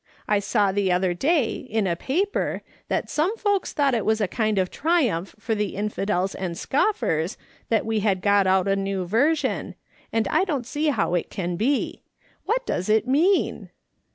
I saw the other day, in a paper, that some folks thought it was a kind of triumph for the infidels and scoffers that we had got out a New Version, and I don't see how it can be. What does that mean